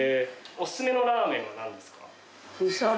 おすすめのラーメンはなんですか？